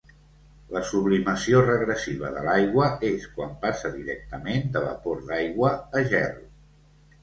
La sublimació regressiva de l'aigua és quan passa directament de vapor d'aigua a gel.